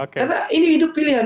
karena ini hidup pilihan